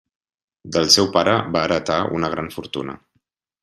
Del seu pare va heretar una gran fortuna.